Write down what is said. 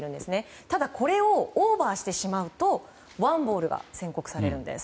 ただ、これをオーバーしてしまうとワンボールが宣告されるんです。